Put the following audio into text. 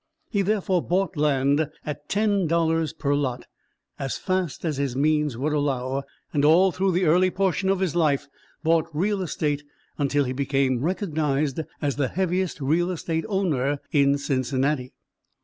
He therefore bought land at ten dollars per lot, as fast as his means would allow, and all through the early portion of his life bought real estate until he became recognized as the heaviest real estate owner in Cincinnati.